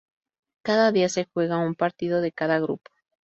Cada día se jugaba un partido de cada grupo.